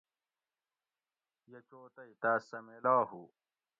یہ چو تئ تاۤس سہۤ میلا ہُو